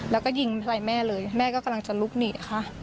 แล้วก็ยิงใส่แม่เลยแม่ก็กำลังจะลุกหนีค่ะ